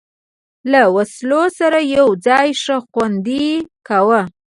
له وسلو سره یو ځای، ښه خوند یې کاوه.